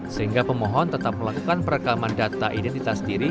sehingga pemohon tetap melakukan perekaman data identitas diri